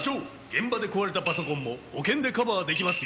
現場で壊れたパソコンも保険でカバーできますよ！